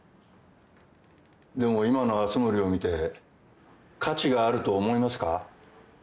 でも今の熱護を見て価値があると思いますか？